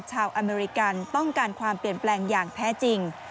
อเมริกันต้องการความเปลี่ยนแปลงอย่างแท้จริง